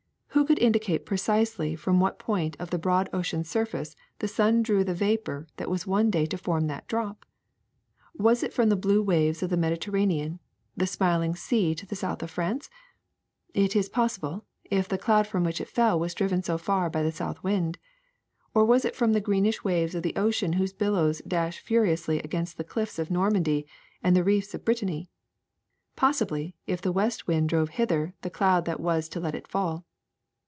Who could indicate precisely from what point of the broad ocean's surface the sun drew the vapor that was one day to form that drop ? Was it from the blue waves of the Mediterranean, the smiling sea to the south of France? It is pos sible, if the cloud from which it fell was driven so far by the south wind. Or was it from the greenish waves of the ocean whose billows dash furiously against the cliffs of Normandy and the reefs of Brit tany? Possibly, if the west wind drove hither the cloud that was to let it fall.